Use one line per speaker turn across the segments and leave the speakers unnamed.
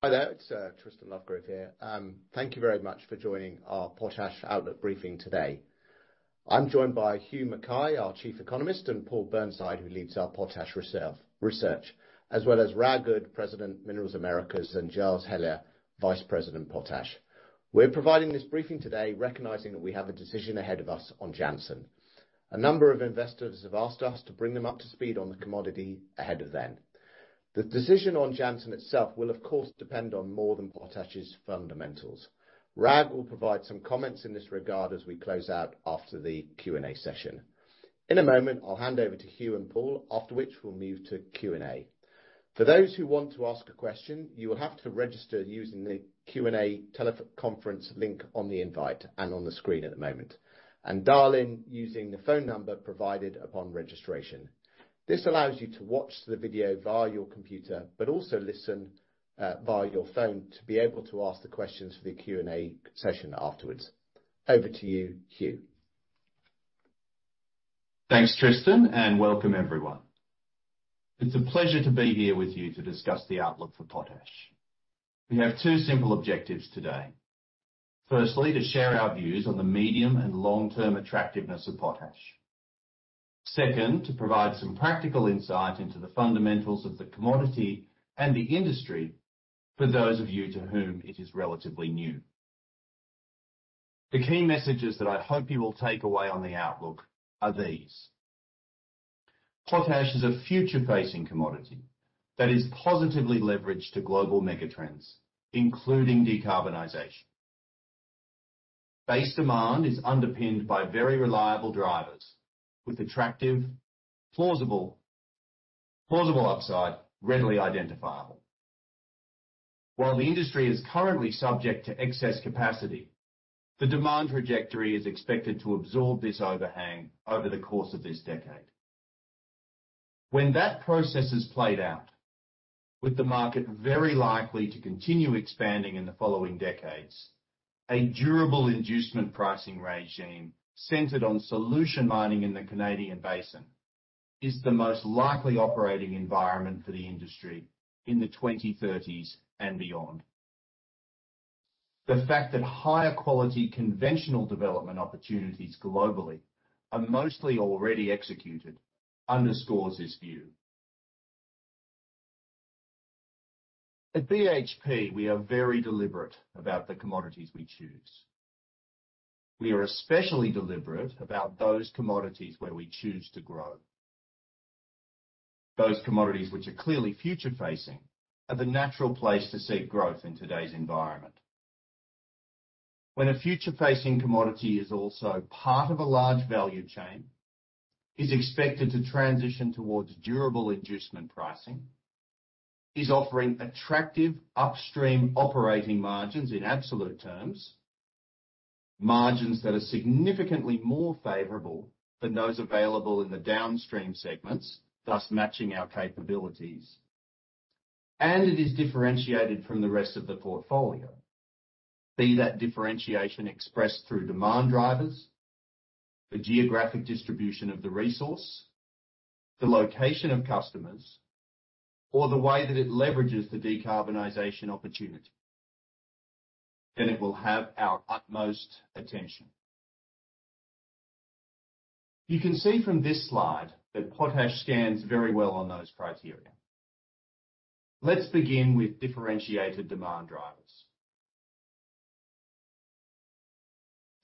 Hi there. It's Tristan Lovegrove here. Thank you very much for joining our Potash Outlook briefing today. I'm joined by Huw McKay, our Chief Economist, and Paul Burnside, who leads our potash research, as well as Ragnar Udd, President of Minerals Americas, and Giles Hellyer, Vice President of Potash. We're providing this briefing today recognizing that we have a decision ahead of us on Jansen. A number of investors have asked us to bring them up to speed on the commodity ahead of then. The decision on Jansen itself will, of course, depend on more than potash's fundamentals. Rag will provide some comments in this regard as we close out after the Q&A session. In a moment, I'll hand over to Huw and Paul, after which we'll move to Q&A. For those who want to ask a question, you will have to register using the Q&A teleconference link on the invite and on the screen at the moment, and dial in using the phone number provided upon registration. This allows you to watch the video via your computer, but also listen via your phone to be able to ask the questions for the Q&A session afterwards. Over to you, Huw.
Thanks, Tristan, and welcome everyone. It's a pleasure to be here with you to discuss the outlook for potash. We have two simple objectives today. Firstly, to share our views on the medium and long-term attractiveness of potash. Second, to provide some practical insight into the fundamentals of the commodity and the industry for those of you to whom it is relatively new. The key messages that I hope you will take away on the outlook are these. Potash is a future-facing commodity that is positively leveraged to global megatrends, including decarbonization. Base demand is underpinned by very reliable drivers with attractive, plausible upside, readily identifiable. While the industry is currently subject to excess capacity, the demand trajectory is expected to absorb this overhang over the course of this decade. When that process is played out, with the market very likely to continue expanding in the following decades, a durable inducement pricing regime centered on solution mining in the Canadian basin is the most likely operating environment for the industry in the 2030s and beyond. The fact that higher quality conventional development opportunities globally are mostly already executed underscores this view. At BHP, we are very deliberate about the commodities we choose. We are especially deliberate about those commodities where we choose to grow. Those commodities which are clearly future-facing are the natural place to seek growth in today's environment. When a future-facing commodity is also part of a large value chain, is expected to transition towards durable inducement pricing, is offering attractive upstream operating margins in absolute terms, margins that are significantly more favorable than those available in the downstream segments, thus matching our capabilities, and it is differentiated from the rest of the portfolio. Be that differentiation expressed through demand drivers, the geographic distribution of the resource, the location of customers, or the way that it leverages the decarbonization opportunity, then it will have our utmost attention. You can see from this slide that potash stands very well on those criteria. Let's begin with differentiated demand drivers.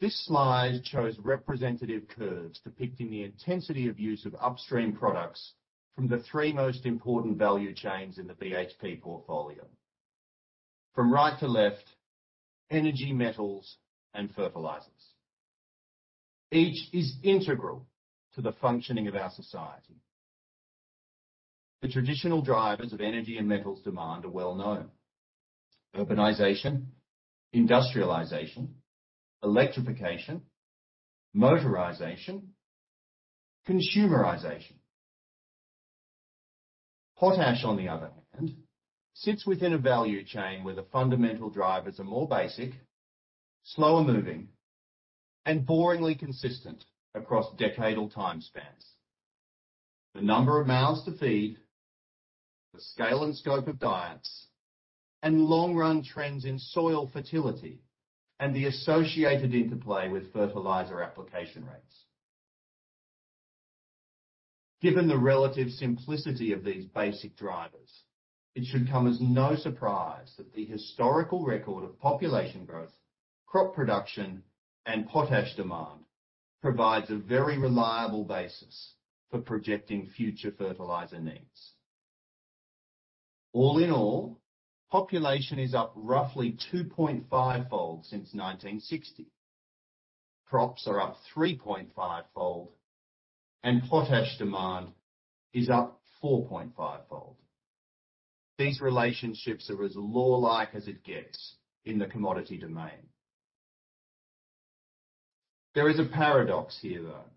This slide shows representative curves depicting the intensity of use of upstream products from the three most important value chains in the BHP portfolio. From right to left, energy, metals, and fertilizers. Each is integral to the functioning of our society. The traditional drivers of energy and metals demand are well known: urbanization, industrialization, electrification, motorization, consumerization. Potash, on the other hand, sits within a value chain where the fundamental drivers are more basic, slower-moving, and boringly consistent across decadal time spans. The number of mouths to feed, the scale and scope of diets, and long-run trends in soil fertility and the associated interplay with fertilizer application rates. Given the relative simplicity of these basic drivers, it should come as no surprise that the historical record of population growth, crop production, and Potash demand provides a very reliable basis for projecting future fertilizer needs. All in all, population is up roughly 2.5-fold since 1960. Crops are up 3.5-fold, and Potash demand is up 4.5-fold. These relationships are as law-like as it gets in the commodity domain. There is a paradox here, though.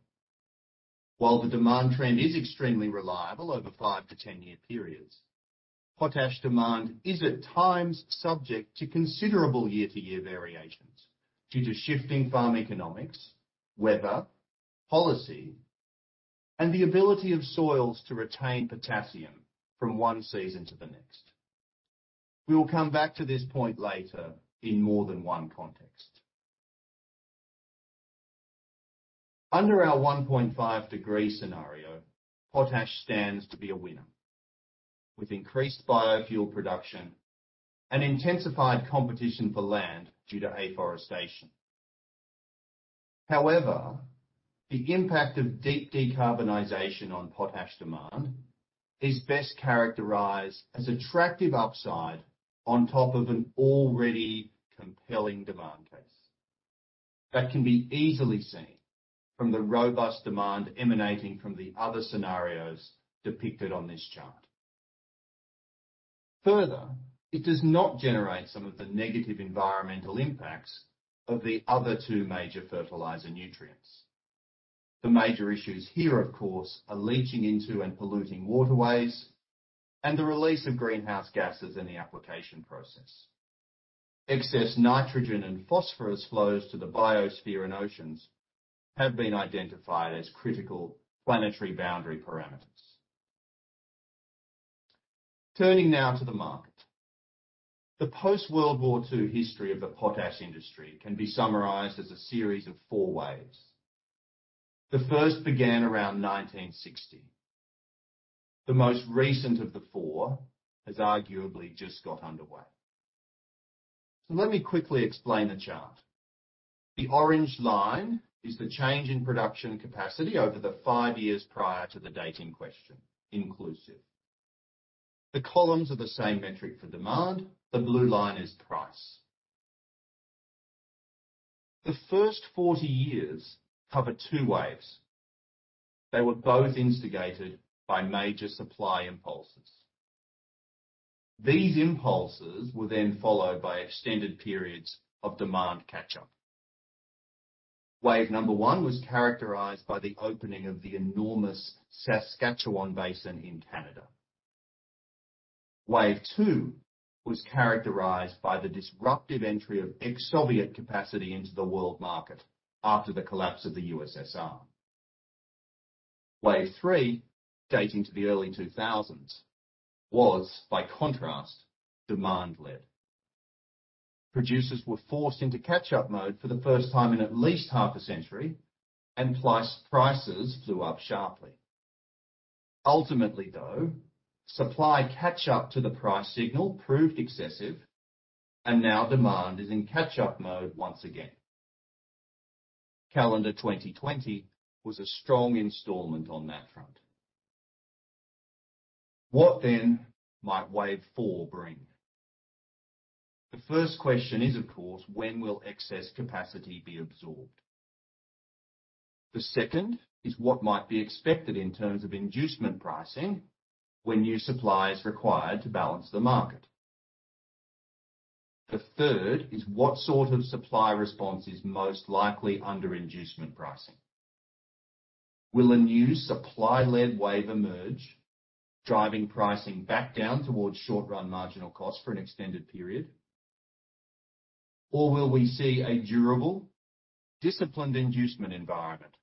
While the demand trend is extremely reliable over 5 to 10-year periods, potash demand is at times subject to considerable year-to-year variations due to shifting farm economics, weather, policy. The ability of soils to retain potassium from one season to the next. We will come back to this point later in more than one context. Under our 1.5°C scenario, potash stands to be a winner, with increased biofuel production and intensified competition for land due to afforestation. However, the impact of deep decarbonization on potash demand is best characterized as attractive upside on top of an already compelling demand case that can be easily seen from the robust demand emanating from the other scenarios depicted on this chart. Further, it does not generate some of the negative environmental impacts of the other two major fertilizer nutrients. The major issues here, of course, are leaching into and polluting waterways and the release of greenhouse gases in the application process. Excess nitrogen and phosphorus flows to the biosphere and oceans have been identified as critical planetary boundary parameters. Turning now to the market. The post-World War II history of the potash industry can be summarized as a series of four waves. The first began around 1960. The most recent of the four has arguably just got underway. Let me quickly explain the chart. The orange line is the change in production capacity over the five years prior to the date in question, inclusive. The columns are the same metric for demand. The blue line is price. The first 40 years cover two waves. They were both instigated by major supply impulses. These impulses were then followed by extended periods of demand catch-up. Wave number 1 was characterized by the opening of the enormous Saskatchewan basin in Canada. Wave 2 was characterized by the disruptive entry of ex-Soviet capacity into the world market after the collapse of the USSR. Wave 3, dating to the early 2000s, was by contrast, demand led. Producers were forced into catch-up mode for the first time in at least half a century, and prices flew up sharply. Ultimately, though, supply catch-up to the price signal proved excessive, and now demand is in catch-up mode once again. Calendar 2020 was a strong installment on that front. What might Wave 4 bring? The first question is, of course, when will excess capacity be absorbed? The second is what might be expected in terms of inducement pricing when new supply is required to balance the market. The third is what sort of supply response is most likely under inducement pricing? Will a new supply-led wave emerge, driving pricing back down towards short-run marginal cost for an extended period? Or will we see a durable, disciplined inducement environment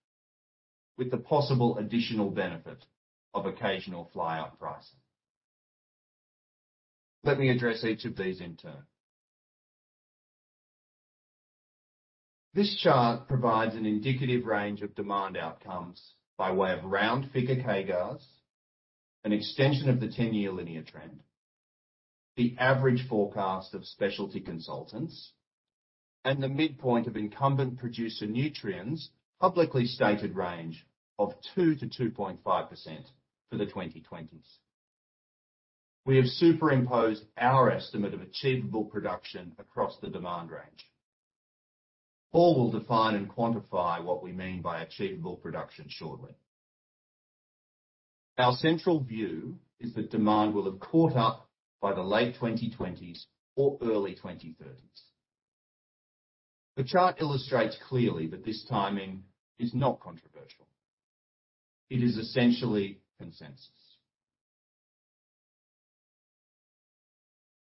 with the possible additional benefit of occasional fly-up pricing? Let me address each of these in turn. This chart provides an indicative range of demand outcomes by way of round figure CAGRs, an extension of the 10-year linear trend, the average forecast of specialty consultants, and the midpoint of incumbent producer Nutrien's publicly stated range of 2%-2.5% for the 2020s. We have superimposed our estimate of achievable production across the demand range, or we'll define and quantify what we mean by achievable production shortly. Our central view is that demand will have caught up by the late 2020s or early 2030s. The chart illustrates clearly that this timing is not controversial. It is essentially consensus.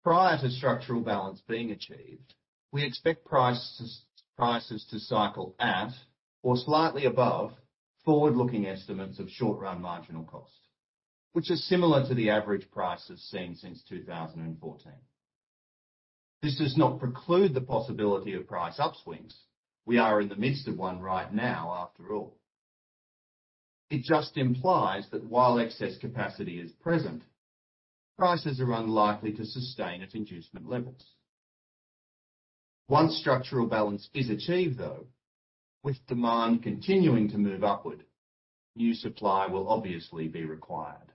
Prior to structural balance being achieved, we expect prices to cycle at or slightly above forward-looking estimates of short-run marginal cost, which is similar to the average prices seen since 2014. This does not preclude the possibility of price upswings. We are in the midst of one right now after all. It just implies that while excess capacity is present, prices are unlikely to sustain at inducement levels. Once structural balance is achieved though, with demand continuing to move upward, new supply will obviously be required.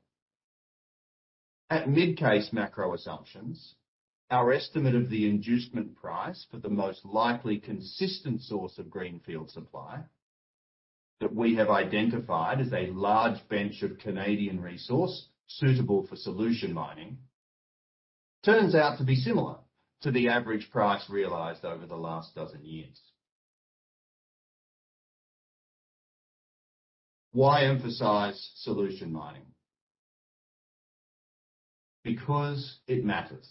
At mid-case macro assumptions, our estimate of the inducement price for the most likely consistent source of greenfield supply that we have identified as a large bench of Canadian resource suitable for solution mining, turns out to be similar to the average price realized over the last dozen years. Why emphasize solution mining? Because it matters.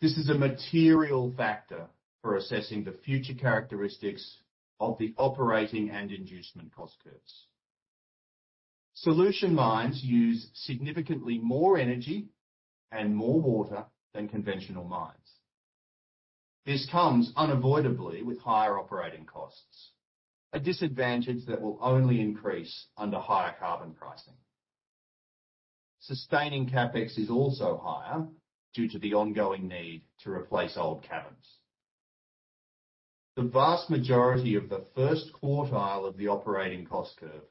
This is a material factor for assessing the future characteristics of the operating and inducement cost curves. Solution mines use significantly more energy and more water than conventional mines. This comes unavoidably with higher operating costs, a disadvantage that will only increase under higher carbon pricing. Sustaining CapEx is also higher due to the ongoing need to replace old caverns. The vast majority of the first quartile of the operating cost curve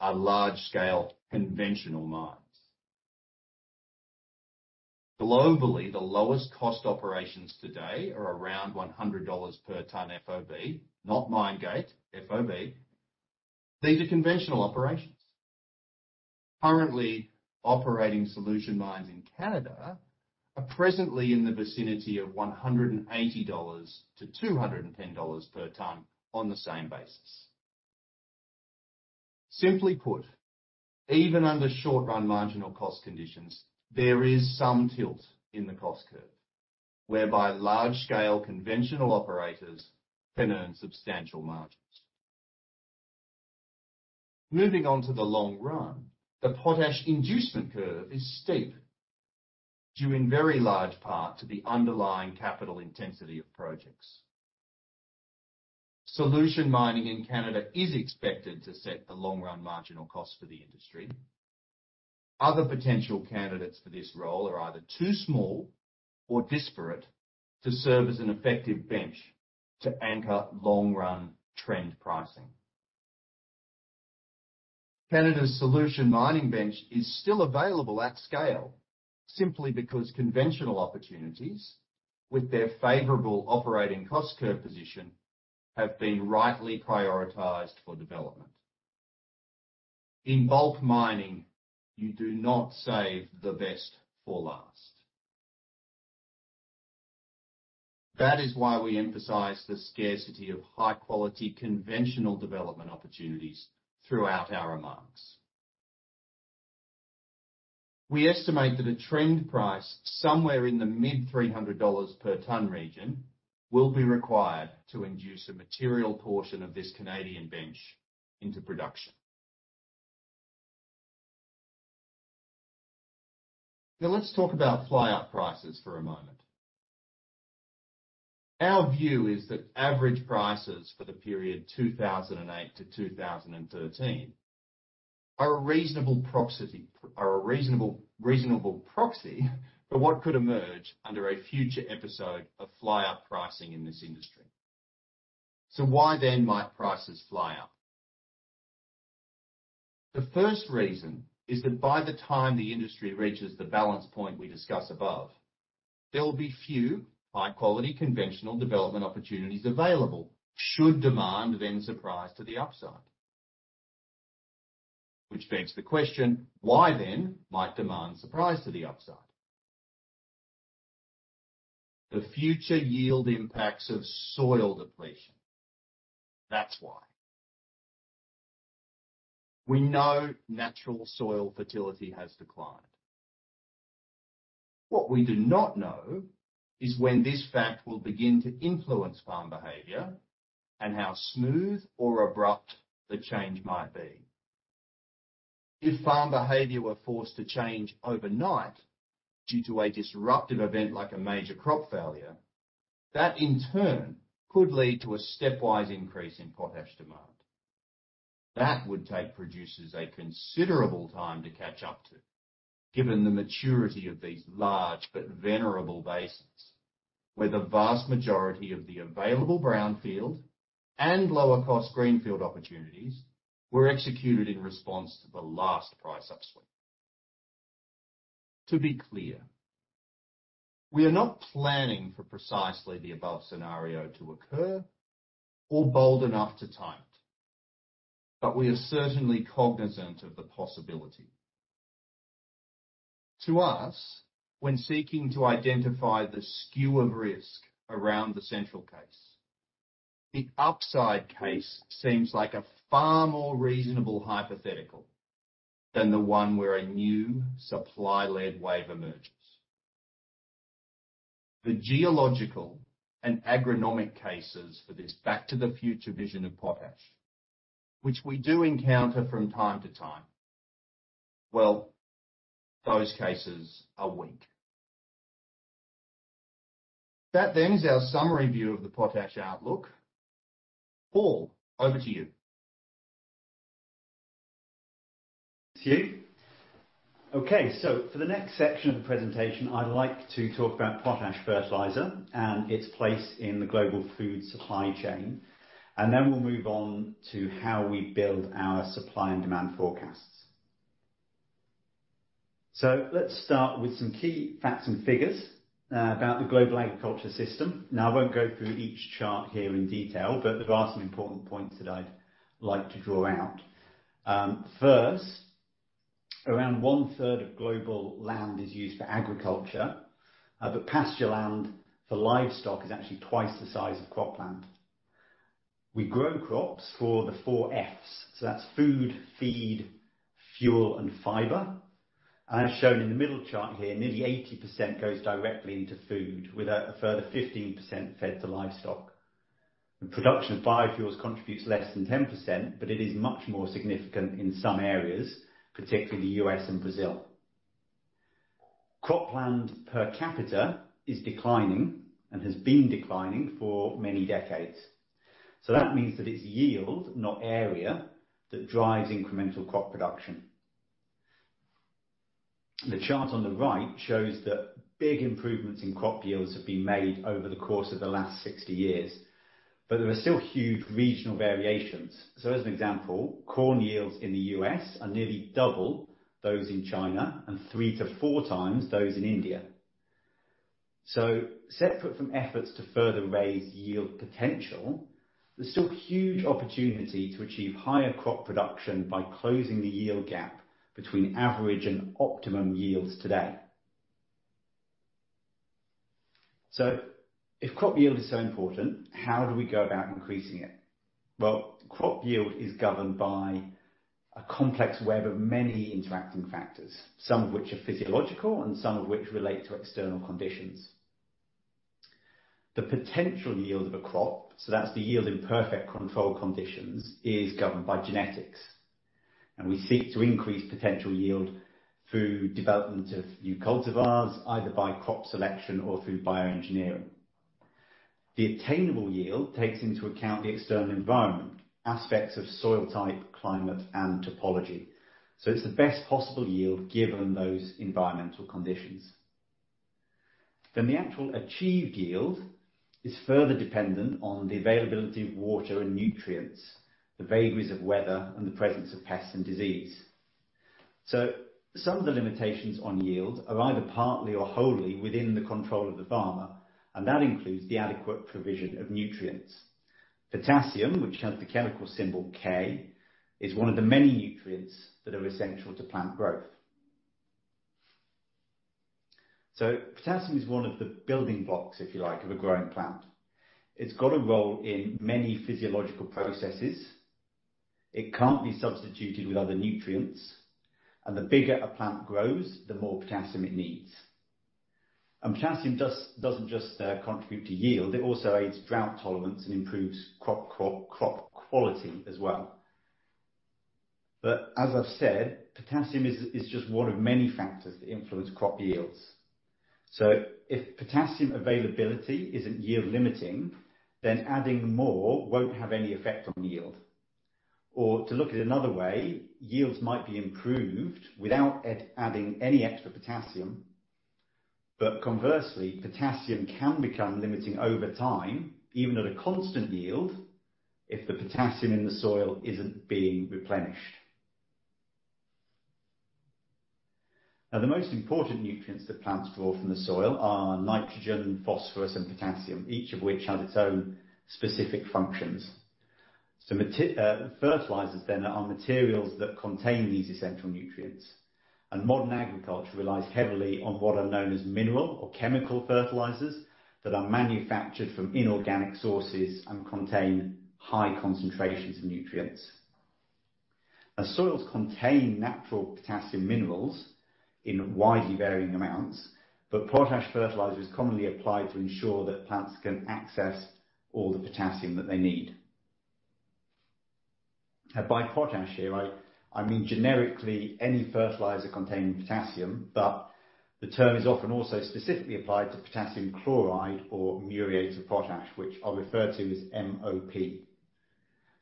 are large scale conventional mines. Globally, the lowest cost operations today are around $100 per tonne FOB, not mine gate, FOB. These are conventional operations. Currently operating solution mines in Canada are presently in the vicinity of $180-$210 per tonne on the same basis. Simply put, even under short-run marginal cost conditions, there is some tilt in the cost curve whereby large scale conventional operators can earn substantial margins. Moving on to the long-run, the potash inducement curve is steep, due in very large part to the underlying capital intensity of projects. Solution mining in Canada is expected to set the long-run marginal cost for the industry. Other potential candidates for this role are either too small or disparate to serve as an effective bench to anchor long-run trend pricing. Canada's solution mining bench is still available at scale, simply because conventional opportunities with their favorable operating cost curve position have been rightly prioritized for development. In bulk mining, you do not save the best for last. That is why we emphasize the scarcity of high-quality conventional development opportunities throughout our remarks. We estimate that a trend price somewhere in the mid $300 per tonne region will be required to induce a material portion of this Canadian bench into production. Let's talk about fly up prices for a moment. Our view is that average prices for the period 2008-2013 are a reasonable proxy for what could emerge under a future episode of fly up pricing in this industry. Why might prices fly up? The first reason is that by the time the industry reaches the balance point we discuss above, there will be few high quality conventional development opportunities available should demand then surprise to the upside. Which begs the question, why might demand surprise to the upside? The future yield impacts of soil depletion. That's why. We know natural soil fertility has declined. What we do not know is when this fact will begin to influence farm behavior and how smooth or abrupt the change might be. If farm behavior were forced to change overnight due to a disruptive event like a major crop failure, that in turn could lead to a stepwise increase in potash demand. That would take producers a considerable time to catch up to, given the maturity of these large but venerable basins, where the vast majority of the available brownfield and lower cost greenfield opportunities were executed in response to the last price upswing. To be clear, we are not planning for precisely the above scenario to occur or bold enough to time it, but we are certainly cognizant of the possibility. To us, when seeking to identify the skew of risk around the central case, the upside case seems like a far more reasonable hypothetical than the one where a new supply-led wave emerges. The geological and agronomic cases for this back to the future vision of potash, which we do encounter from time to time, well, those cases are weak. That then is our summary view of the potash outlook. Paul, over to you.
Thank you. Okay, for the next section of the presentation, I'd like to talk about potash fertilizer and its place in the global food supply chain, then we'll move on to how we build our supply and demand forecasts. Let's start with some key facts and figures about the global agriculture system. Now, I won't go through each chart here in detail, but there are some important points that I'd like to draw out. First, around one third of global land is used for agriculture, but pasture land for livestock is actually twice the size of cropland. We grow crops for the 4 Fs. That's food, feed, fuel, and fiber. As shown in the middle chart here, nearly 80% goes directly into food, with a further 15% fed to livestock. The production of biofuels contributes less than 10%. It is much more significant in some areas, particularly U.S. and Brazil. Cropland per capita is declining and has been declining for many decades. That means that it's yield, not area, that drives incremental crop production. The chart on the right shows that big improvements in crop yields have been made over the course of the last 60 years. There are still huge regional variations. As an example, corn yields in the U.S. are nearly double those in China and 3-4 times those in India. Separate from efforts to further raise yield potential, there's still huge opportunity to achieve higher crop production by closing the yield gap between average and optimum yields today. If crop yield is so important, how do we go about increasing it? Well, crop yield is governed by a complex web of many interacting factors, some of which are physiological and some of which relate to external conditions. The potential yield of a crop, so that's the yield in perfect controlled conditions, is governed by genetics, and we seek to increase potential yield through development of new cultivars, either by crop selection or through bioengineering. The obtainable yield takes into account the external environment, aspects of soil type, climate, and topology. It's the best possible yield given those environmental conditions. The actual achieved yield is further dependent on the availability of water and nutrients, the vagaries of weather, and the presence of pests and disease. Some of the limitations on yield are either partly or wholly within the control of the farmer, and that includes the adequate provision of nutrients. Potassium, which has the chemical symbol K, is one of the many nutrients that are essential to plant growth. Potassium is one of the building blocks, if you like, of a growing plant. It's got a role in many physiological processes. It can't be substituted with other nutrients, and the bigger a plant grows, the more potassium it needs. Potassium doesn't just contribute to yield, it also aids drought tolerance and improves crop quality as well. As I've said, potassium is just one of many factors that influence crop yields. If potassium availability isn't yield limiting, then adding more won't have any effect on yield. To look at it another way, yields might be improved without adding any extra potassium. Conversely, potassium can become limiting over time, even at a constant yield, if the potassium in the soil isn't being replenished. The most important nutrients that plants draw from the soil are nitrogen, phosphorus, and potassium, each of which have its own specific functions. Fertilizers then are materials that contain these essential nutrients. Modern agriculture relies heavily on what are known as mineral or chemical fertilizers that are manufactured from inorganic sources and contain high concentrations of nutrients. Soils contain natural potassium minerals in widely varying amounts, but potash fertilizer is commonly applied to ensure that plants can access all the potassium that they need. By potash here, I mean generically any fertilizer containing potassium, but the term is often also specifically applied to potassium chloride or muriate of potash, which I'll refer to as MOP.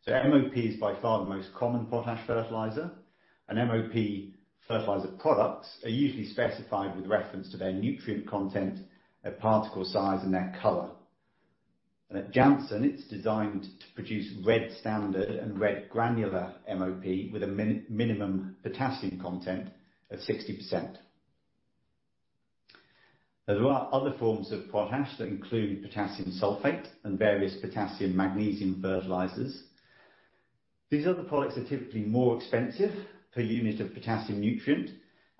MOP is by far the most common potash fertilizer, and MOP fertilizer products are usually specified with reference to their nutrient content, their particle size, and their color. At Jansen, it's designed to produce red standard and red granular MOP with a minimum potassium content of 60%. There are other forms of potash that include potassium sulfate and various potassium magnesium fertilizers. These other products are typically more expensive per unit of potassium nutrient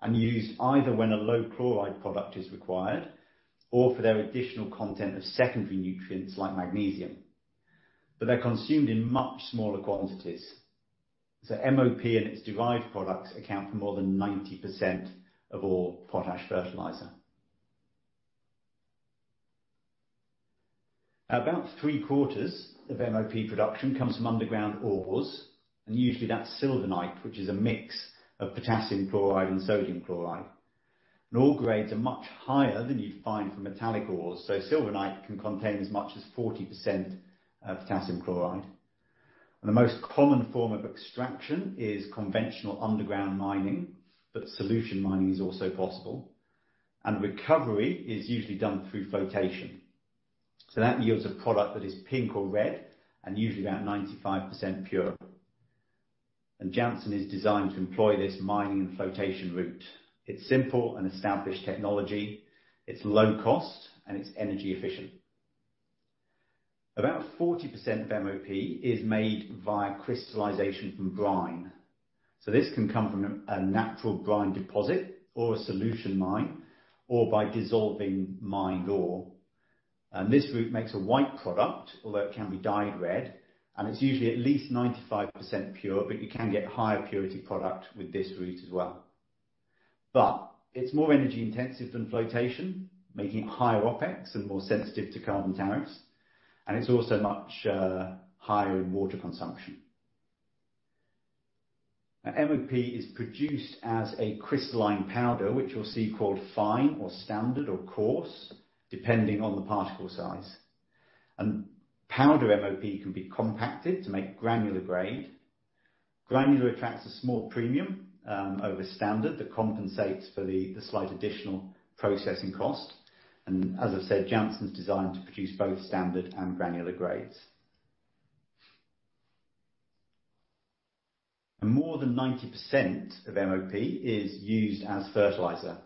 and used either when a low chloride product is required or for their additional content of secondary nutrients like magnesium. They're consumed in much smaller quantities. MOP and its derived products account for more than 90% of all potash fertilizer. About 3/4 of MOP production comes from underground ores, and usually, that's sylvinite, which is a mix of potassium chloride and sodium chloride. Ore grades are much higher than you'd find for metallic ores. Sylvinite can contain as much as 40% potassium chloride. The most common form of extraction is conventional underground mining, but solution mining is also possible, and recovery is usually done through flotation. That yields a product that is pink or red and usually about 95% pure. Jansen is designed to employ this mining and flotation route. It's simple and established technology. It's low cost, and it's energy efficient. About 40% of MOP is made via crystallization from brine. This can come from a natural brine deposit or a solution mine, or by dissolving mined ore. This route makes a white product, although it can be dyed red, and it's usually at least 95% pure, but you can get higher purity product with this route as well. It's more energy-intensive than flotation, making it higher OpEx and more sensitive to carbon tariffs, and it's also much higher in water consumption. MOP is produced as a crystalline powder, which you'll see called fine or standard or coarse, depending on the particle size. Powder MOP can be compacted to make granular grade. Granular attracts a small premium over standard that compensates for the slight additional processing cost. As I said, Jansen's designed to produce both standard and granular grades. More than 90% of MOP is used as fertilizer.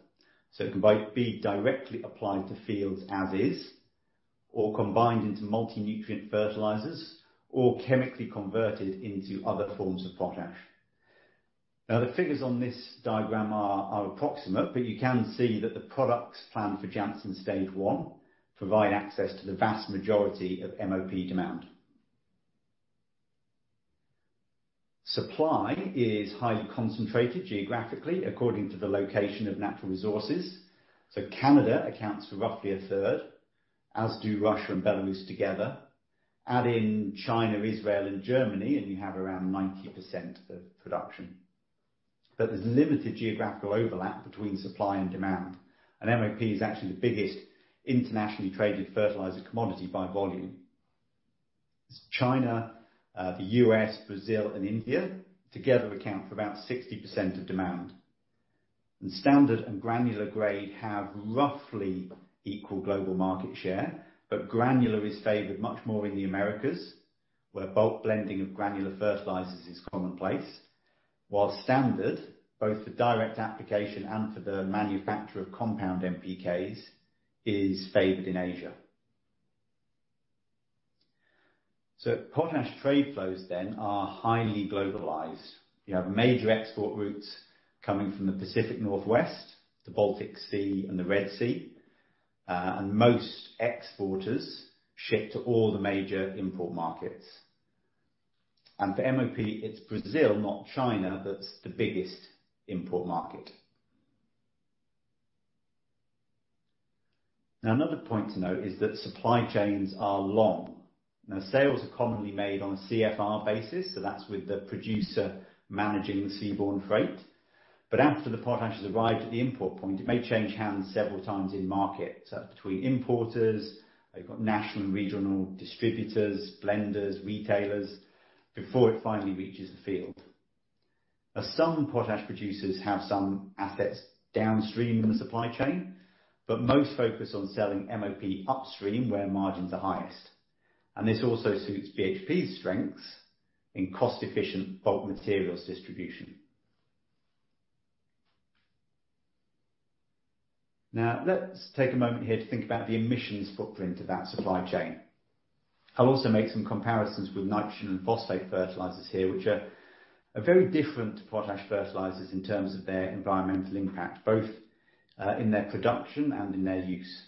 It can be directly applied to fields as is, or combined into multi-nutrient fertilizers, or chemically converted into other forms of potash. The figures on this diagram are approximate, but you can see that the products planned for Jansen stage 1 provide access to the vast majority of MOP demand. Supply is highly concentrated geographically according to the location of natural resources. Canada accounts for roughly a third, as do Russia and Belarus together. Add in China, Israel, and Germany, you have around 90% of production. There's limited geographical overlap between supply and demand. MOP is actually the biggest internationally traded fertilizer commodity by volume. As China, the U.S., Brazil, and India together account for about 60% of demand. Standard and granular grade have roughly equal global market share, but granular is favored much more in the Americas, where bulk blending of granular fertilizers is commonplace. While standard, both for direct application and for the manufacture of compound NPKs, is favored in Asia. Potash trade flows then are highly globalized. You have major export routes coming from the Pacific Northwest, the Baltic Sea, and the Red Sea. Most exporters ship to all the major import markets. For MOP, it's Brazil, not China, that's the biggest import market. Another point to note is that supply chains are long. Sales are commonly made on CFR basis, so that's with the producer managing the seaborne freight. After the potash has arrived at the import point, it may change hands several times in market between importers. They've got national and regional distributors, blenders, retailers, before it finally reaches the field. Some potash producers have some assets downstream in the supply chain, but most focus on selling MOP upstream where margins are highest. This also suits BHP's strengths in cost-efficient bulk materials distribution. Let's take a moment here to think about the emissions footprint of that supply chain. I'll also make some comparisons with nitrogen and phosphate fertilizers here, which are very different to potash fertilizers in terms of their environmental impact, both in their production and in their use.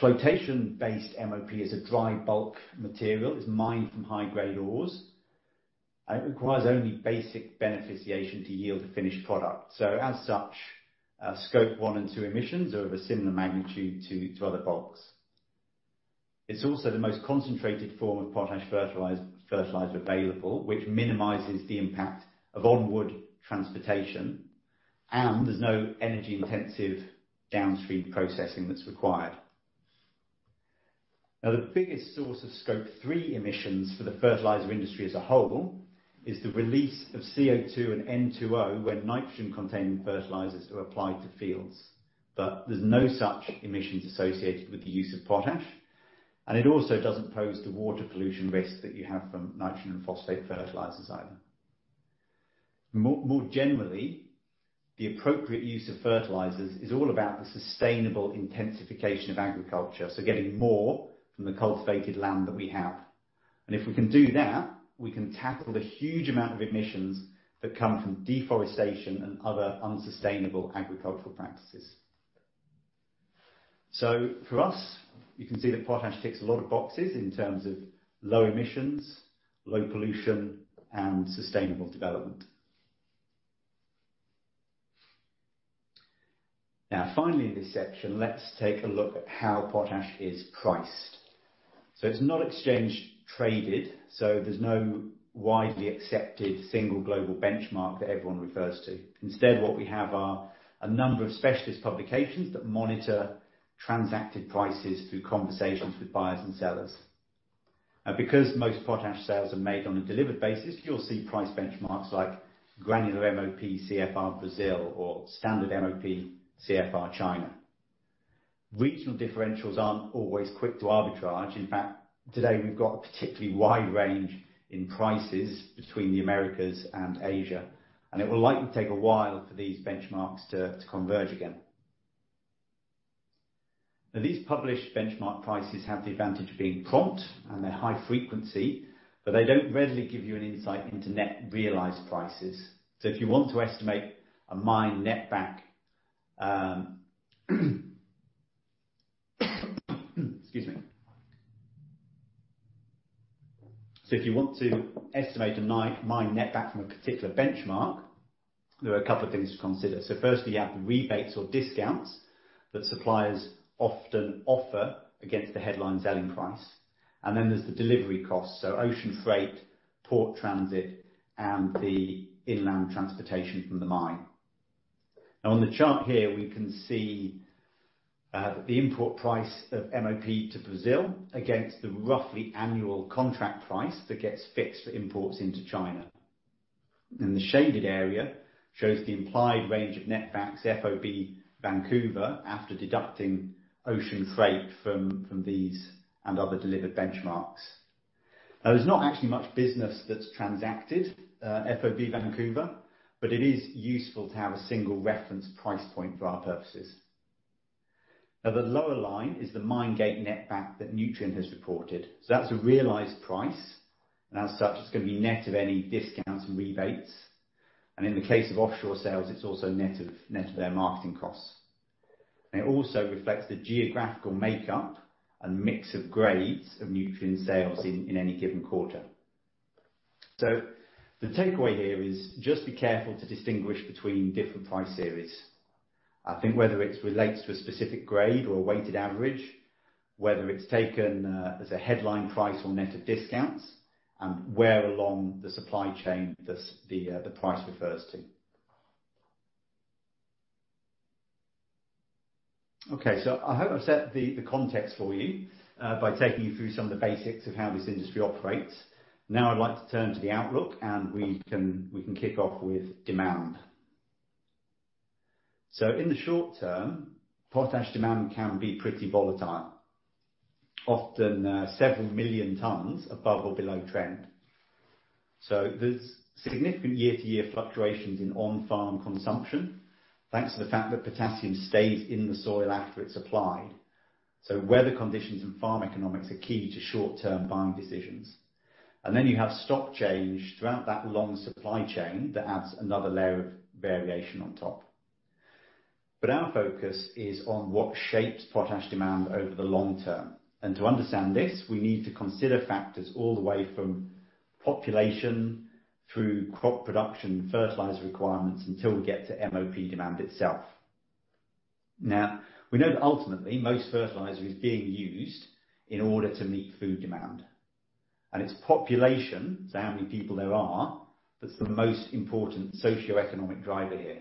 Flotation-based MOP is a dry bulk material. It's mined from high-grade ores, and it requires only basic beneficiation to yield a finished product. As such, Scope 1 and 2 emissions are of a similar magnitude to other bulks. It's also the most concentrated form of potash fertilizer available, which minimizes the impact of onward transportation, and there's no energy-intensive downstream processing that's required. The biggest source of Scope 3 emissions for the fertilizer industry as a whole is the release of CO2 and N2O when nitrogen-containing fertilizers are applied to fields. There's no such emissions associated with the use of potash, and it also doesn't pose the water pollution risk that you have from nitrogen and phosphate fertilizers either. More generally, the appropriate use of fertilizers is all about the sustainable intensification of agriculture. Getting more from the cultivated land that we have. If we can do that, we can tackle the huge amount of emissions that come from deforestation and other unsustainable agricultural practices. For us, you can see that potash ticks a lot of boxes in terms of low emissions, low pollution, and sustainable development. Now finally in this section, let's take a look at how potash is priced. It's not exchange traded, so there's no widely accepted single global benchmark that everyone refers to. Instead, what we have are a number of specialist publications that monitor transacted prices through conversations with buyers and sellers. Because most potash sales are made on a delivered basis, you'll see price benchmarks like granular MOP CFR Brazil or standard MOP CFR China. Regional differentials aren't always quick to arbitrage. Today we've got a particularly wide range in prices between the Americas and Asia. It will likely take a while for these benchmarks to converge again. These published benchmark prices have the advantage of being prompt. They're high frequency, but they don't readily give you an insight into net realized prices. If you want to estimate a mine net back, excuse me. If you want to estimate a mine net back from a particular benchmark, there are a couple things to consider. Firstly, you have rebates or discounts that suppliers often offer against the headline selling price. Then there's the delivery cost. Ocean freight, port transit, and the inland transportation from the mine. On the chart here, we can see that the import price of MOP to Brazil against the roughly annual contract price that gets fixed for imports into China. The shaded area shows the implied range of netbacks FOB Vancouver after deducting ocean freight from these and other delivered benchmarks. There's not actually much business that's transacted FOB Vancouver, but it is useful to have a single reference price point for our purposes. The lower line is the mine gate net back that Nutrien has reported. That's a realized price, and as such, it's going to be net of any discounts and rebates. In the case of offshore sales, it's also net of their marketing costs. It also reflects the geographical makeup and mix of grades of Nutrien sales in any given quarter. The takeaway here is just be careful to distinguish between different price series. I think whether it relates to a specific grade or a weighted average, whether it's taken as a headline price or net of discounts, and where along the supply chain the price refers to. Okay, I hope I've set the context for you by taking you through some of the basics of how this industry operates. Now I'd like to turn to the outlook, and we can kick off with demand. In the short term, potash demand can be pretty volatile, often several million tons above or below trend. There's significant year-to-year fluctuations in on-farm consumption, thanks to the fact that potassium stays in the soil after it's applied. Weather conditions and farm economics are key to short-term buying decisions. You have stock change throughout that long supply chain that adds another layer of variation on top. Our focus is on what shapes potash demand over the long term, and to understand this, we need to consider factors all the way from population through crop production, fertilizer requirements, until we get to MOP demand itself. We know that ultimately, most fertilizer is being used in order to meet food demand. It's population, so how many people there are, that's the most important socioeconomic driver here,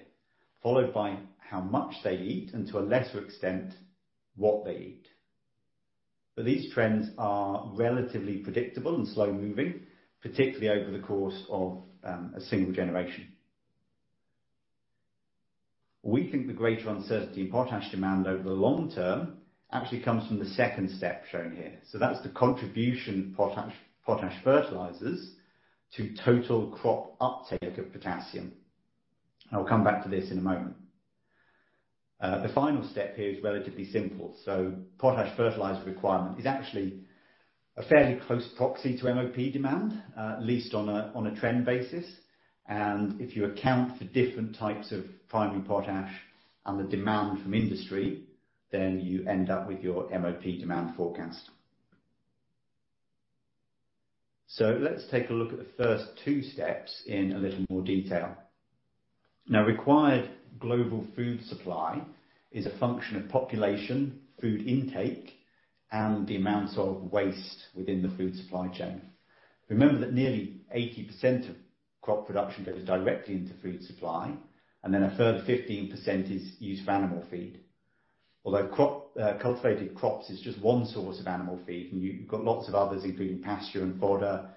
followed by how much they eat and to a lesser extent, what they eat. These trends are relatively predictable and slow-moving, particularly over the course of a single generation. We think the greater uncertainty of potash demand over the long term actually comes from the second step shown here. That's the contribution of potash fertilizers to total crop uptake of potassium. I'll come back to this in a moment. The final step here is relatively simple. Potash fertilizer requirement is actually a fairly close proxy to MOP demand, at least on a trend basis. If you account for different types of primary potash and the demand from industry, then you end up with your MOP demand forecast. Let's take a look at the first two steps in a little more detail. Now, required global food supply is a function of population, food intake, and the amount of waste within the food supply chain. Remember that nearly 80% of crop production goes directly into food supply, and then a further 15% is used for animal feed. Cultivated crops is just one source of animal feed, and you've got lots of others, including pasture and fodder,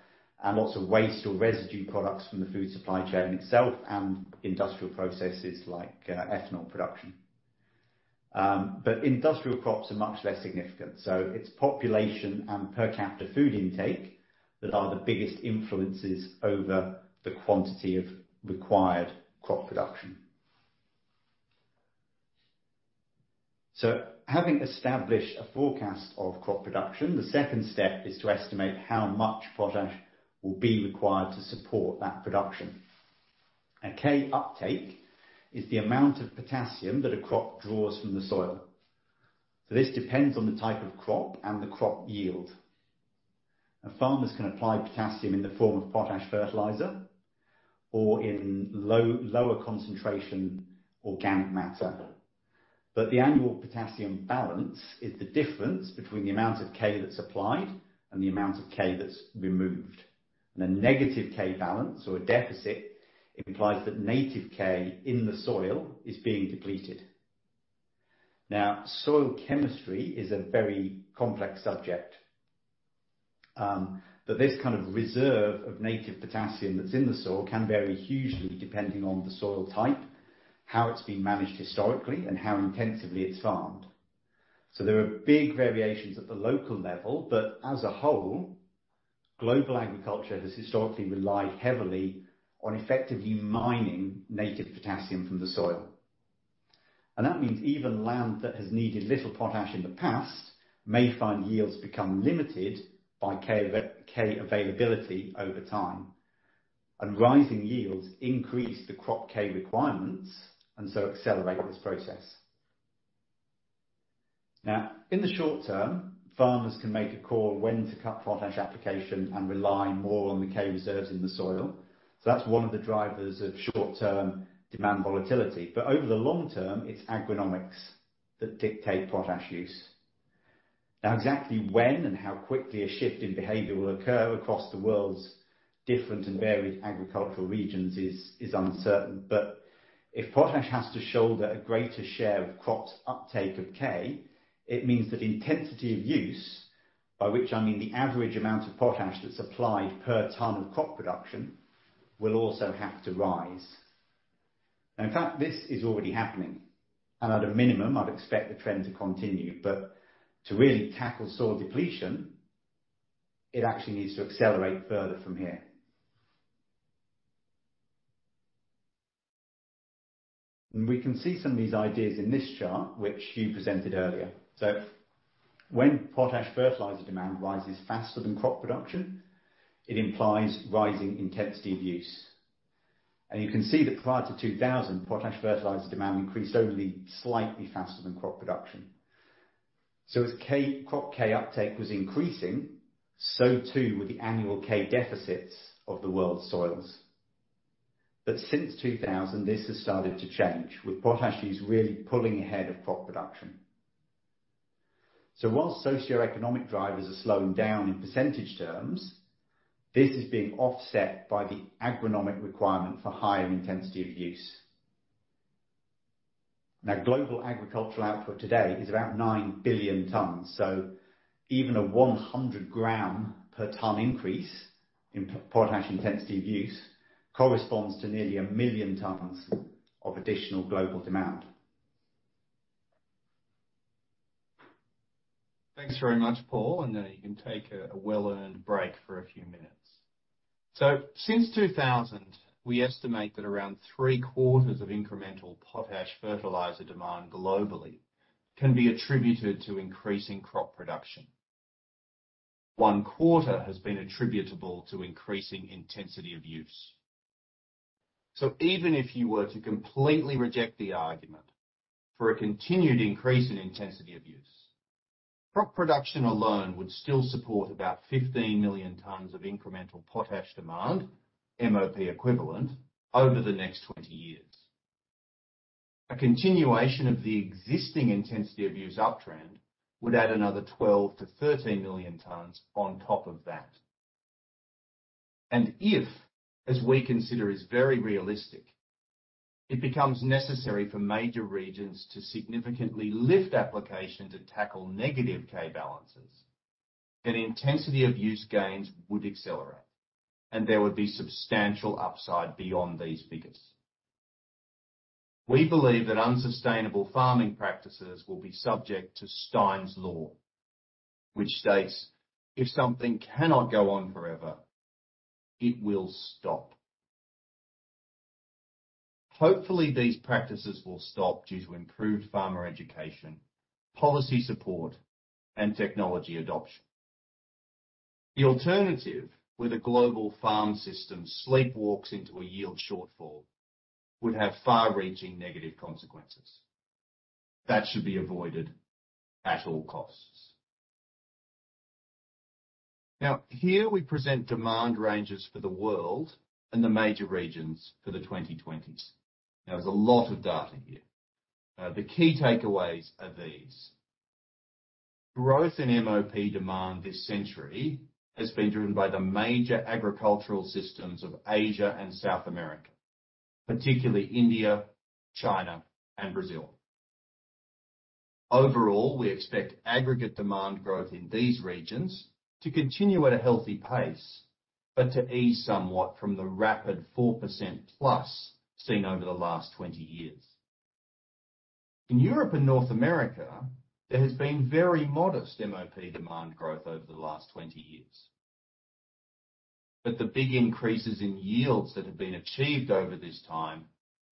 and lots of waste or residue products from the food supply chain itself and industrial processes like ethanol production. Industrial crops are much less significant. It's population and per capita food intake that are the biggest influences over the quantity of required crop production. Having established a forecast of crop production, the second step is to estimate how much potash will be required to support that production. Now, K uptake is the amount of potassium that a crop draws from the soil. This depends on the type of crop and the crop yield. Now farmers can apply potassium in the form of potash fertilizer or in lower concentration organic matter. The annual potassium balance is the difference between the amount of K that's applied and the amount of K that's removed. A negative potassium balance or a deficit implies that native K in the soil is being depleted. Now, soil chemistry is a very complex subject. This kind of reserve of native potassium that's in the soil can vary hugely depending on the soil type, how it's been managed historically, and how intensively it's farmed. There are big variations at the local level, but as a whole, global agriculture has historically relied heavily on effectively mining native potassium from the soil. That means even land that has needed little potash in the past may find yields become limited by K availability over time, and rising yields increase the crop K requirements and so accelerate this process. In the short term, farmers can make a call when to cut potash application and rely more on the K reserves in the soil. That's one of the drivers of short-term demand volatility. Over the long term, it's agronomics that dictate potash use. Exactly when and how quickly a shift in behavior will occur across the world's different and varied agricultural regions is uncertain. If potash has to shoulder a greater share of crops' uptake of K, it means that intensity of use, by which I mean the average amount of potash that's applied per ton of crop production, will also have to rise. In fact, this is already happening, and at a minimum, I'd expect the trend to continue. To really tackle soil depletion, it actually needs to accelerate further from here. We can see some of these ideas in this chart, which Huw presented earlier. When potash fertilizer demand rises faster than crop production, it implies rising intensity of use. You can see that prior to 2000, potash fertilizer demand increased only slightly faster than crop production. As crop K uptake was increasing, so too were the annual K deficits of the world's soils. Since 2000, this has started to change, with potash use really pulling ahead of crop production. While socioeconomic drivers are slowing down in percentage terms, this is being offset by the agronomic requirement for higher intensity of use. Global agricultural output today is about 9 billion tons, even a 100 gram per ton increase in potash intensity of use corresponds to nearly a million tons of additional global demand.
Thanks very much, Paul. Now you can take a well-earned break for a few minutes. Since 2000, we estimate that around three-quarters of incremental potash fertilizer demand globally can be attributed to increasing crop production. One quarter has been attributable to increasing intensity of use. Even if you were to completely reject the argument for a continued increase in intensity of use, crop production alone would still support about 15 million tons of incremental potash demand, MOP equivalent, over the next 20 years. A continuation of the existing intensity of use uptrend would add another 12 million-13 million tons on top of that. If, as we consider is very realistic, it becomes necessary for major regions to significantly lift application to tackle negative K balances, then intensity of use gains would accelerate, and there would be substantial upside beyond these figures. We believe that unsustainable farming practices will be subject to Stein's Law, which states, "If something cannot go on forever, it will stop." Hopefully, these practices will stop due to improved farmer education, policy support, and technology adoption. The alternative with a global farm system sleepwalks into a yield shortfall would have far-reaching negative consequences that should be avoided at all costs. Now here we present demand ranges for the world and the major regions for the 2020s. Now there's a lot of data here. The key takeaways are these. Growth in MOP demand this century has been driven by the major agricultural systems of Asia and South America, particularly India, China, and Brazil. Overall, we expect aggregate demand growth in these regions to continue at a healthy pace, but to ease somewhat from the rapid 4%+ seen over the last 20 years. In Europe and North America, there has been very modest MOP demand growth over the last 20 years. The big increases in yields that have been achieved over this time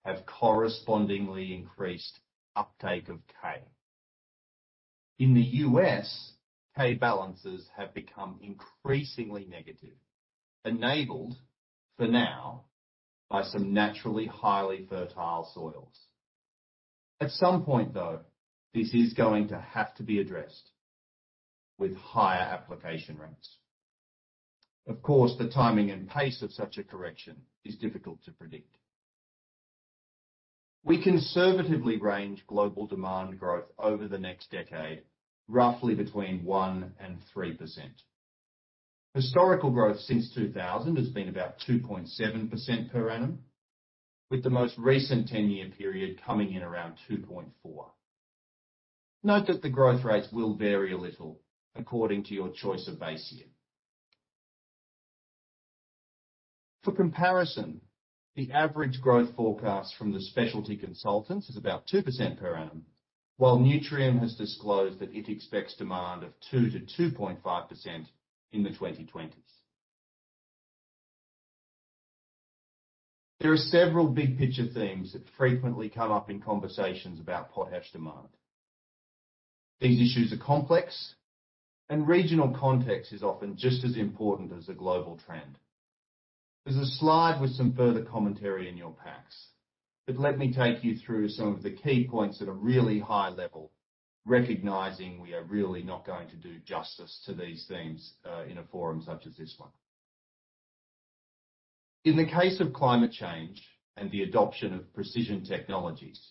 have correspondingly increased uptake of K. In the U.S., K balances have become increasingly negative, enabled for now by some naturally highly fertile soils. At some point, though, this is going to have to be addressed with higher application rates. Of course, the timing and pace of such a correction is difficult to predict. We conservatively range global demand growth over the next decade, roughly between 1%-3%. Historical growth since 2000 has been about 2.7% per annum, with the most recent 10-year period coming in around 2.4%. Note that the growth rates will vary a little according to your choice of base year. For comparison, the average growth forecast from the specialty consultants is about 2% per annum, while Nutrien has disclosed that it expects demand of 2%-2.5% in the 2020s. There are several big picture themes that frequently come up in conversations about potash demand. These issues are complex, and regional context is often just as important as a global trend. There's a slide with some further commentary in your packs, but let me take you through some of the key points at a really high level, recognizing we are really not going to do justice to these themes in a forum such as this one. In the case of climate change and the adoption of precision technologies,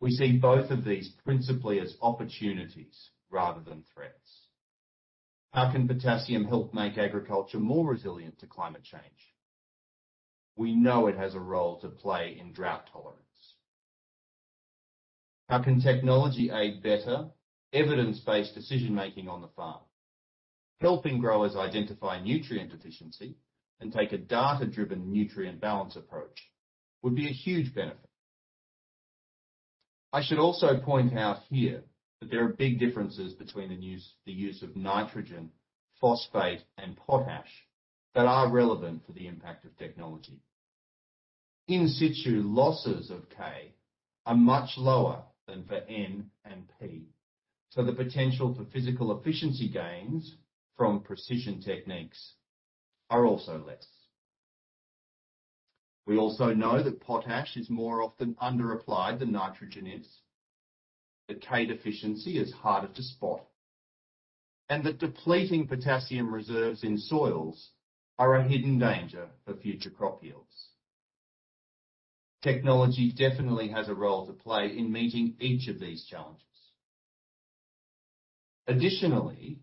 we see both of these principally as opportunities rather than threats. How can potassium help make agriculture more resilient to climate change? We know it has a role to play in drought tolerance. How can technology aid better evidence-based decision making on the farm? Helping growers identify nutrient deficiency and take a data-driven nutrient balance approach would be a huge benefit. I should also point out here that there are big differences between the use of nitrogen, phosphate, and potash that are relevant for the impact of technology. In situ losses of K are much lower than for N and P, so the potential for physical efficiency gains from precision techniques are also less. We also know that potash is more often under applied than nitrogen is, that K deficiency is harder to spot, and that depleting potassium reserves in soils are a hidden danger for future crop yields. Technology definitely has a role to play in meeting each of these challenges. Additionally,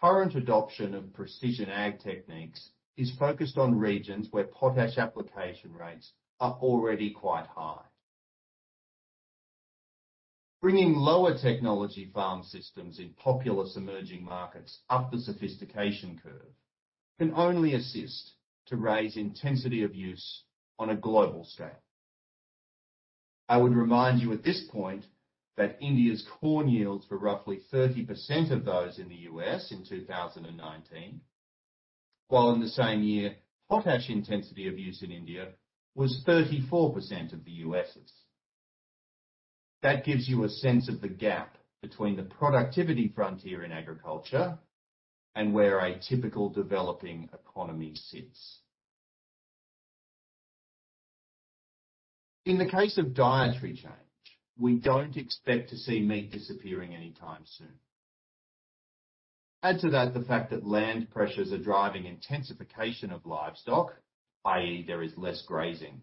current adoption of precision agriculture techniques is focused on regions where potash application rates are already quite high. Bringing lower technology farm systems in populous emerging markets up the sophistication curve can only assist to raise intensity of use on a global scale. I would remind you at this point that India's corn yields were roughly 30% of those in the U.S. in 2019, while in the same year, potash intensity of use in India was 34% of the U.S.'s. That gives you a sense of the gap between the productivity frontier in agriculture and where a typical developing economy sits. In the case of dietary change, we don't expect to see meat disappearing anytime soon. Add to that the fact that land pressures are driving intensification of livestock, i.e., there is less grazing.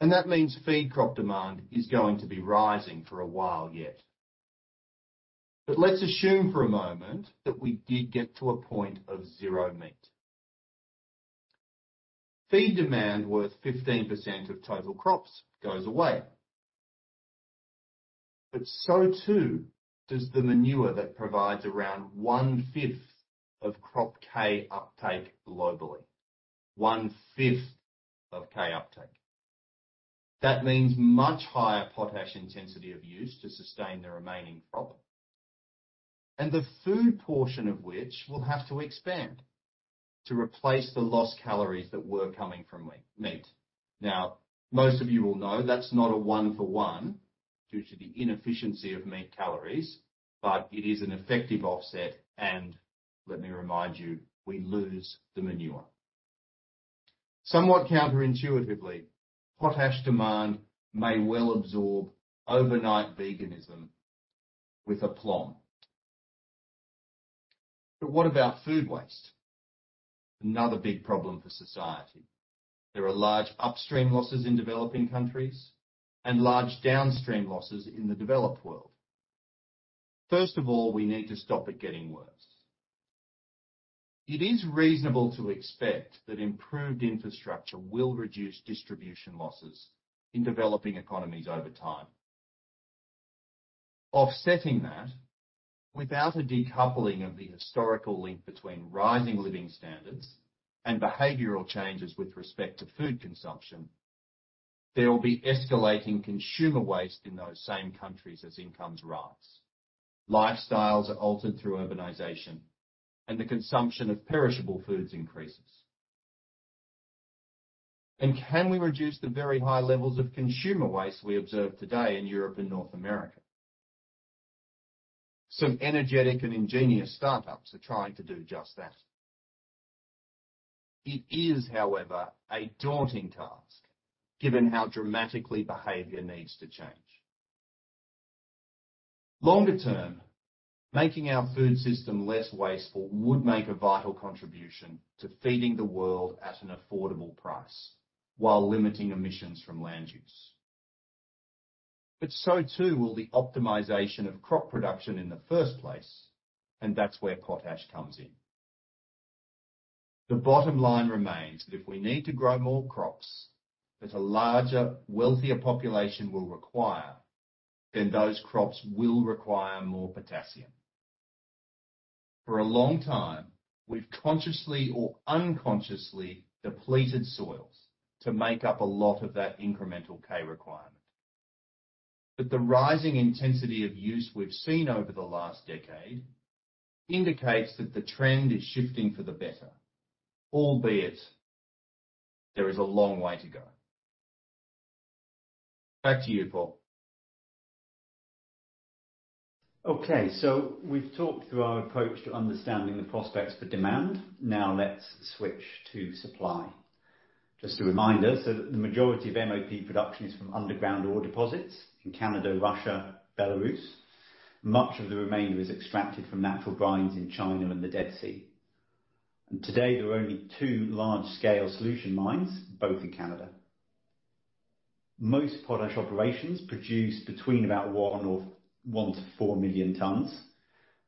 That means feed crop demand is going to be rising for a while yet. Let's assume for a moment that we did get to a point of zero meat. Feed demand worth 15% of total crops goes away. So too does the manure that provides around one-fifth of crop K uptake globally. One-fifth of K uptake. That means much higher potash intensity of use to sustain the remaining crop. The food portion of which will have to expand to replace the lost calories that were coming from meat. Now, most of you will know that's not a 1 for 1 due to the inefficiency of meat calories. It is an effective offset. Let me remind you, we lose the manure. Somewhat counterintuitively, potash demand may well absorb overnight veganism with aplomb. What about food waste? Another big problem for society. There are large upstream losses in developing countries and large downstream losses in the developed world. First of all, we need to stop it getting worse. It is reasonable to expect that improved infrastructure will reduce distribution losses in developing economies over time. Offsetting that, without a decoupling of the historical link between rising living standards and behavioral changes with respect to food consumption, there will be escalating consumer waste in those same countries as incomes rise, lifestyles are altered through urbanization, and the consumption of perishable foods increases. Can we reduce the very high levels of consumer waste we observe today in Europe and North America? Some energetic and ingenious startups are trying to do just that. It is, however, a daunting task given how dramatically behavior needs to change. Longer term, making our food system less wasteful would make a vital contribution to feeding the world at an affordable price while limiting emissions from land use. So too will the optimization of crop production in the first place, and that's where potash comes in. The bottom line remains that if we need to grow more crops that a larger, wealthier population will require, then those crops will require more potassium. For a long time, we've consciously or unconsciously depleted soils to make up a lot of that incremental K requirement. The rising intensity of use we've seen over the last decade indicates that the trend is shifting for the better, albeit there is a long way to go. Back to you, Paul.
Okay, we've talked through our approach to understanding the prospects for demand. Now let's switch to supply. Just a reminder, so the majority of MOP production is from underground ore deposits in Canada, Russia, Belarus. Much of the remainder is extracted from natural brines in China and the Dead Sea. Today there are only two large-scale solution mines, both in Canada. Most potash operations produce between about 1 million-4 million tons.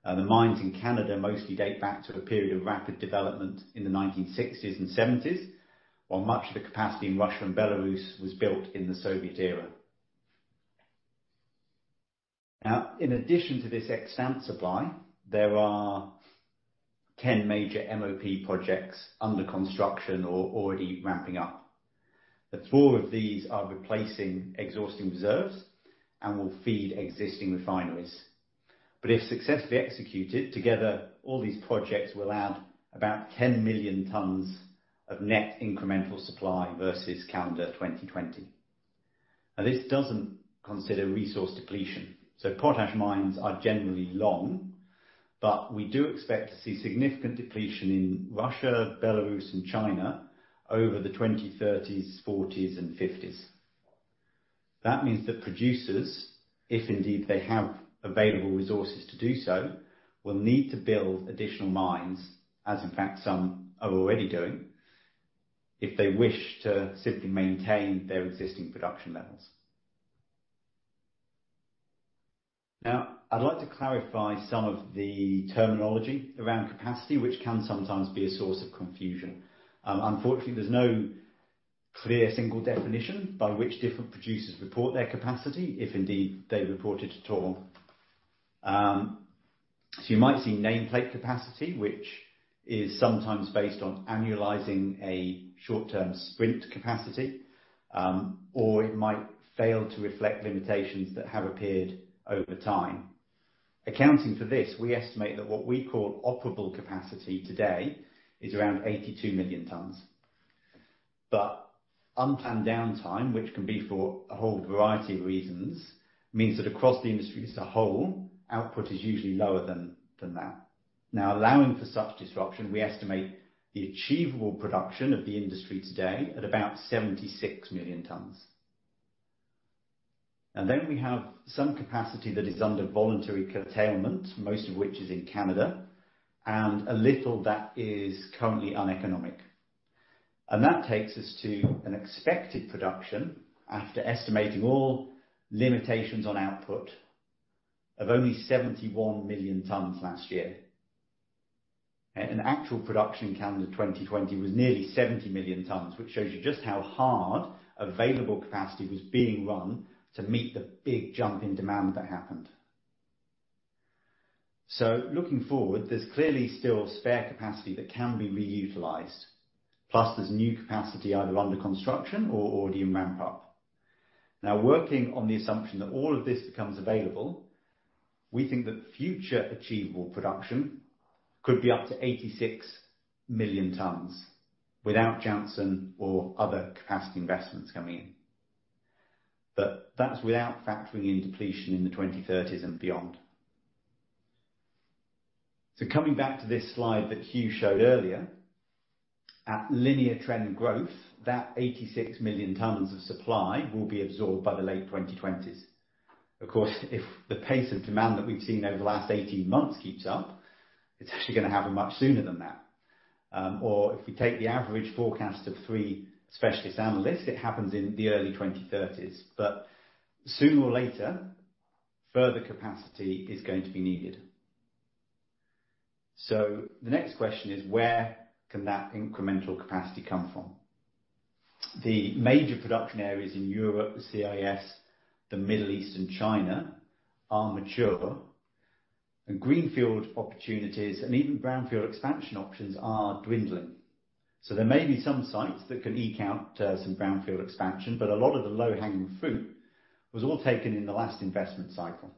The mines in Canada mostly date back to a period of rapid development in the 1960s and 1970s, while much of the capacity in Russia and Belarus was built in the Soviet era. Now, in addition to this extant supply, there are 10 major MOP projects under construction or already ramping up. Four of these are replacing exhausting reserves and will feed existing refineries. If successfully executed together, all these projects will add about 10 million tons of net incremental supply versus calendar 2020. This doesn't consider resource depletion. Potash mines are generally long, but we do expect to see significant depletion in Russia, Belarus and China over the 2030s, '40s and '50s. That means that producers, if indeed they have available resources to do so, will need to build additional mines, as in fact some are already doing, if they wish to simply maintain their existing production levels. I'd like to clarify some of the terminology around capacity, which can sometimes be a source of confusion. Unfortunately, there's no clear single definition by which different producers report their capacity, if indeed they report it at all. You might see nameplate capacity, which is sometimes based on annualizing a short-term sprint capacity, or it might fail to reflect limitations that have appeared over time. Accounting for this, we estimate that what we call operable capacity today is around 82 million tons. Unplanned downtime, which can be for a whole variety of reasons, means that across the industry as a whole, output is usually lower than that. Allowing for such disruption, we estimate the achievable production of the industry today at about 76 million tons. We have some capacity that is under voluntary curtailment, most of which is in Canada, and a little that is currently uneconomic. That takes us to an expected production after estimating all limitations on output of only 71 million tons last year. An actual production in calendar 2020 was nearly 70 million tons, which shows you just how hard available capacity was being run to meet the big jump in demand that happened. Looking forward, there's clearly still spare capacity that can be reutilized. Plus there's new capacity either under construction or already in ramp-up. Now, working on the assumption that all of this becomes available, we think that future achievable production could be up to 86 million tons without Jansen or other capacity investments coming in. That's without factoring in depletion in the 2030s and beyond. Coming back to this slide that Huw showed earlier, at linear trend growth, that 86 million tons of supply will be absorbed by the late 2020s. Of course, if the pace of demand that we've seen over the last 18 months keeps up, it's actually going to happen much sooner than that. If we take the average forecast of three specialist analysts, it happens in the early 2030s. Sooner or later, further capacity is going to be needed. The next question is, where can that incremental capacity come from? The major production areas in Europe, the CIS, the Middle East and China are mature, and greenfield opportunities and even brownfield expansion options are dwindling. There may be some sites that can eke out some brownfield expansion, but a lot of the low-hanging fruit was all taken in the last investment cycle.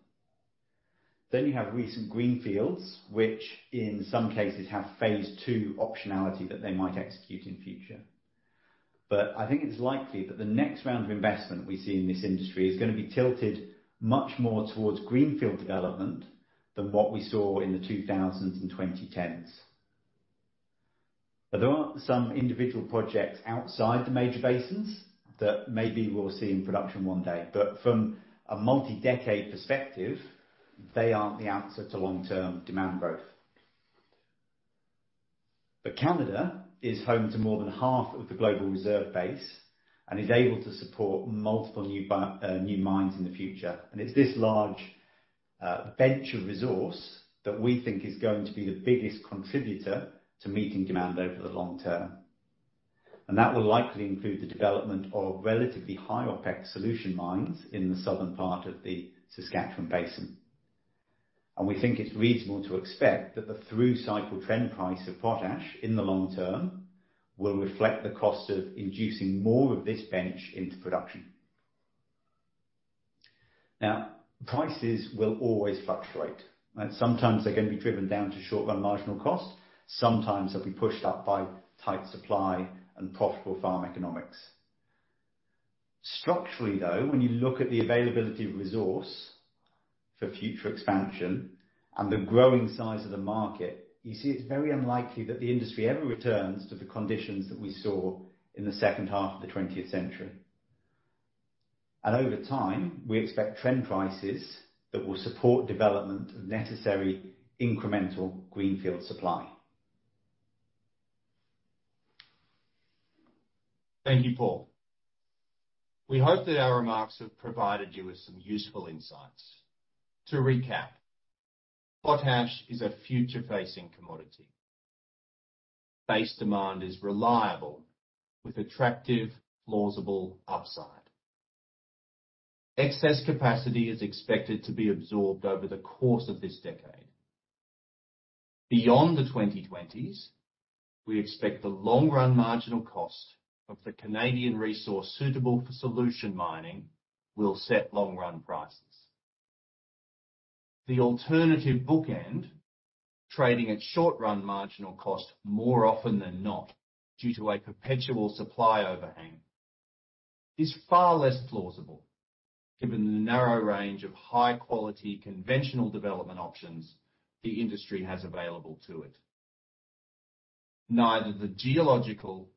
You have recent greenfields, which in some cases have phase II optionality that they might execute in future. I think it's likely that the next round of investment we see in this industry is going to be tilted much more towards greenfield development than what we saw in the 2000s and 2010s. There are some individual projects outside the major basins that maybe we'll see in production one day, but from a multi-decade perspective, they aren't the answer to long-term demand growth. Canada is home to more than half of the global reserve base and is able to support multiple new mines in the future. It's this large bench of resource that we think is going to be the biggest contributor to meeting demand over the long term. That will likely include the development of relatively high OpEx solution mines in the southern part of the Saskatchewan Basin. We think it's reasonable to expect that the through-cycle trend price of potash in the long term will reflect the cost of inducing more of this bench into production. Now, prices will always fluctuate, and sometimes they're going to be driven down to short-run marginal costs. Sometimes they'll be pushed up by tight supply and profitable farm economics. Structurally, though, when you look at the availability of resource for future expansion and the growing size of the market, you see it's very unlikely that the industry ever returns to the conditions that we saw in the second half of the 20th century. Over time, we expect trend prices that will support development of necessary incremental greenfield supply.
Thank you, Paul. We hope that our remarks have provided you with some useful insights. To recap, potash is a future-facing commodity. Base demand is reliable with attractive, plausible upside. Excess capacity is expected to be absorbed over the course of this decade. Beyond the 2020s, we expect the long-run marginal cost of the Canadian resource suitable for solution mining will set long-run prices. The alternative bookend, trading at short-run marginal cost more often than not due to a perpetual supply overhang, is far less plausible given the narrow range of high-quality conventional development options the industry has available to it. Neither the geological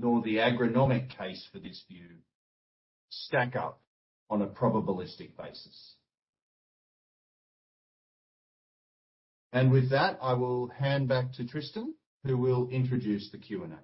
nor the agronomic case for this view stack up on a probabilistic basis. With that, I will hand back to Tristan, who will introduce the Q&A.